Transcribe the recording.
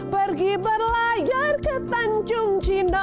pergi berlayar ke tanjung cinta